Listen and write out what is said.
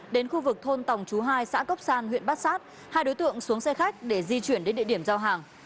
đến khu vực thôn tòng chú hai xã cốc san huyện bát sát hai đối tượng xuống xe khách để di chuyển đến địa điểm giao hàng